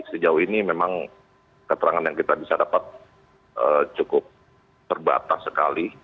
sejauh ini memang keterangan yang kita bisa dapat cukup terbatas sekali